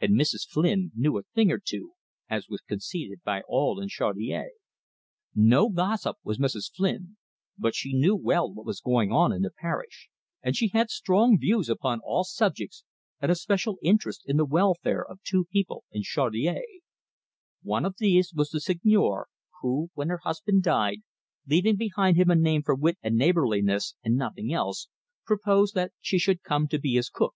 And Mrs. Flynn knew a thing or two, as was conceded by all in Chaudiere. No gossip was Mrs. Flynn, but she knew well what was going on in the parish, and she had strong views upon all subjects, and a special interest in the welfare of two people in Chaudiere. One of these was the Seigneur, who, when her husband died, leaving behind him a name for wit and neighbourliness, and nothing else, proposed that she should come to be his cook.